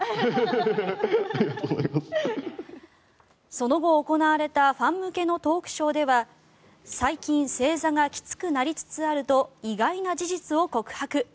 その後、行われたファン向けのトークショーでは最近正座がきつくなりつつあると意外な事実を告白。